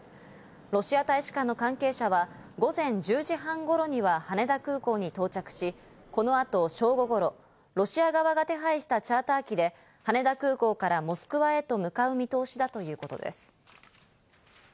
ロシア大使館の関係者は午前１０時半頃には羽田空港に到着し、このあと正午頃、ロシア側が手配したチャーター機で羽田空港からモスクワへと向かう見通しだということです。